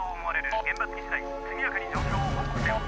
現場着き次第速やかに状況を報告せよ。